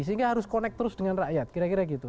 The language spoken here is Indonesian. sehingga harus connect terus dengan rakyat kira kira gitu